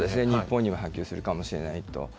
日本にも波及するかもしれないと。